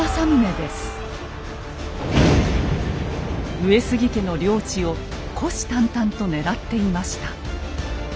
上杉家の領地を虎視眈々と狙っていました。